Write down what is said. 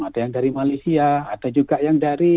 ada yang dari malaysia ada juga yang dari